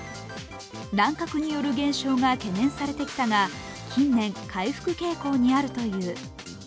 乱獲による減少が懸念されてきたが近年、回復傾向にあるという。